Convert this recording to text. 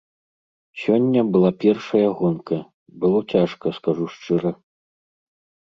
Сёння была першая гонка, было цяжка, скажу шчыра.